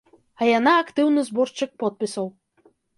А яна актыўны зборшчык подпісаў.